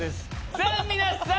さあ皆さん。